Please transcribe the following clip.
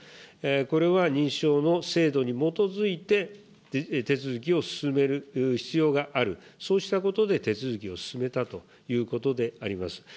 これは認証の制度に基づいて手続きを進める必要がある、そうしたことで手続きを進めたということであります。